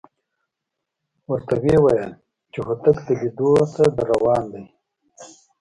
ورته وېویل چې هوتک د لیدو ته درروان دی.